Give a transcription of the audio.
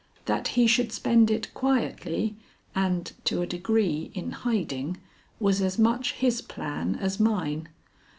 That he should spend it quietly and, to a degree, in hiding, was as much his plan as mine.